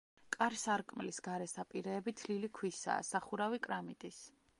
კარ-სარკმლის გარე საპირეები თლილი ქვისაა, სახურავი კრამიტის.